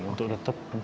untuk tetap mensubuhkan